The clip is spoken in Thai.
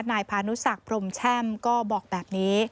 นายพานุสักพรมแช่มก็บอกแบบนี้